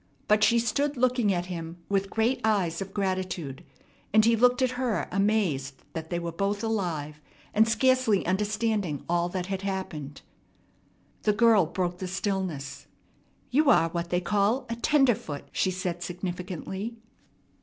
But she stood looking at him with great eyes of gratitude, and he looked at her amazed that they were both alive, and scarcely understanding all that had happened. The girl broke the stillness. "You are what they call a 'tenderfoot,'" she said significantly.